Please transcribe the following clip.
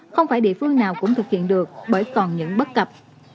không phải địa phương nào cũng thực hiện được bởi còn những bất cập